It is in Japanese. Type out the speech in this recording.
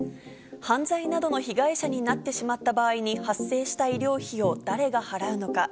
犯罪などの被害者になってしまった場合に、発生した医療費を誰が払うのか。